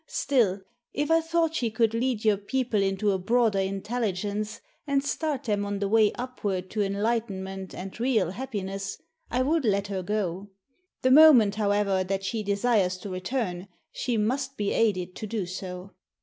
Still, if I thought she could lead your people into a broader intelligence, and start them on the way upward to enlightenment and real happiness, I would let her go. The moment, however, that she desires to return she must be aided to do so."